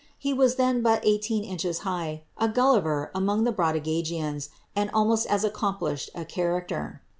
He was then but eighteen inches high, a Oi liver among the Brobdignagians, and almost as accomplished a c^ ter.